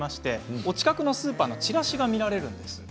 お近くのスーパーのちらしが見られるんです。